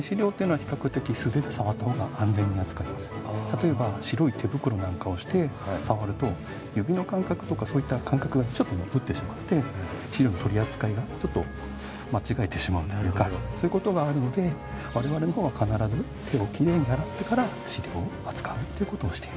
材質にもよるんですけど例えば白い手袋なんかをして触ると指の感覚とかそういった感覚がちょっと鈍ってしまって資料の取り扱いがちょっと間違えてしまうというかそういうことがあるので我々のほうは必ず手をきれいに洗ってから資料を扱うってことをしています。